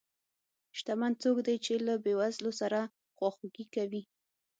شتمن څوک دی چې له بې وزلو سره خواخوږي کوي.